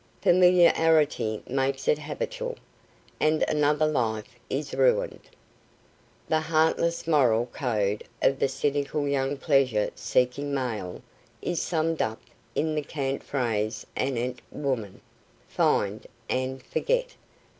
Familiarity makes it habitual, and another life is ruined. The heartless moral code of the cynical young pleasure seeking male is summed up in the cant phrase anent women: "Find, ... and forget!"